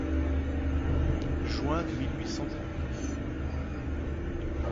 Juin mille huit cent trente-neuf.